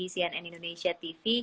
cnn indonesia tv